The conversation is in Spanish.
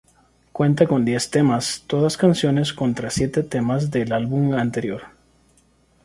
Cuenta con diez temas, todas canciones, contra siete temas del álbum anterior.